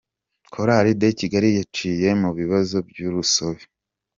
Chorale de Kigali yaciye mu bibazo by’urusobe.